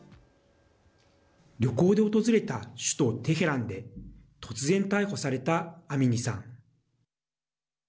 旅行で訪れた首都テヘランで突然、逮捕されたアミニさん。